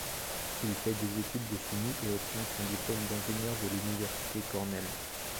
Il fait des études de chimie et obtient son diplôme d'ingénieur de l'université Cornell.